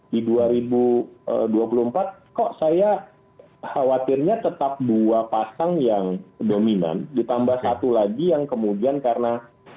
di dua ribu dua puluh empat kok saya khawatirnya tetap dua pasang yang dominan ditambah satu lagi yang kemudian karena